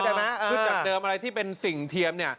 อ๋อคือจากเดิมอะไรที่เป็นสิ่งเทียม